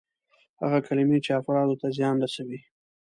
هغه کلمې چې افرادو ته زیان رسوي.